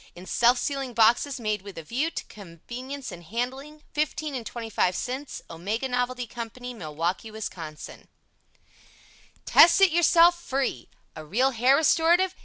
In self sealing boxes made with a view to convenience in handling, 15 and 25 cents. OMEGA NOVELTY COMPANY, Milwaukee, Wis. Test It Yourself FREE A real Hair Restorative?